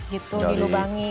gitu di lubangi